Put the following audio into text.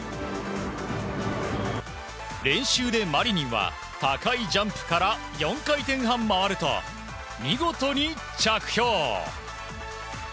練習でマリニンは高いジャンプから４回転半回ると見事に着氷。